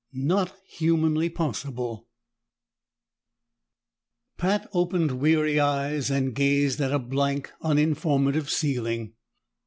31 "Not Humanly Possible" Pat opened weary eyes and gazed at a blank, uninformative ceiling.